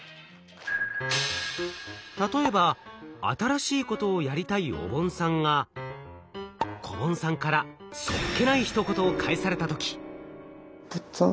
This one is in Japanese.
例えば新しいことをやりたいおぼんさんがこぼんさんからそっけないひと言を返された時。